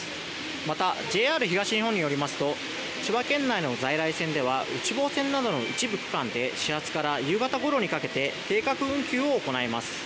また、ＪＲ東日本によりますと千葉県内の在来線では内房線などの一部区間で始発から夕方ごろにかけて計画運休を行います。